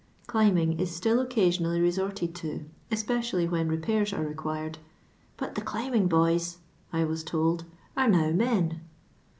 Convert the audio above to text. Climbing is still occasionally resorted to, espe cially when repairs are required, but the climb ing b<»ys," I was told, •* are now men."